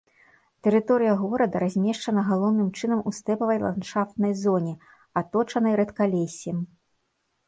Тэрыторыя горада размешчана галоўным чынам у стэпавай ландшафтнай зоне, аточанай рэдкалессем.